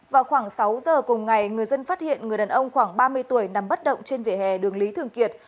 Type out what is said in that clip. vào khoảng sáu giờ cùng ngày người dân phát hiện người đàn ông khoảng ba mươi tuổi nằm bất động trên vỉa hè đường lý thường kiệt